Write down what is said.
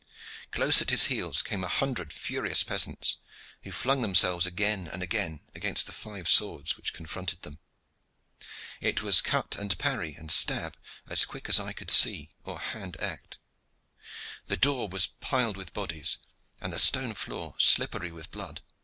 Close at his heels came a hundred furious peasants, who flung themselves again and again against the five swords which confronted them. It was cut and parry and stab as quick as eye could see or hand act. The door was piled with bodies, and the stone floor was slippery with blood.